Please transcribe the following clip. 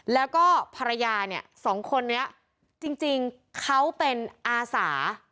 แล้วก็ภรรยาเนี่ยสองคนนี้จริงเขาเป็นอาสา